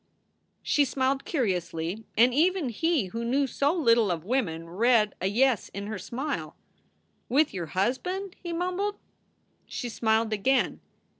She smiled curiously, and even he who knew so little of women read a yes in her smile. "With your husband?" he mumbled. She smiled again.